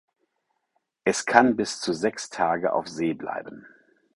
Es kann bis zu sechs Tage auf See bleiben.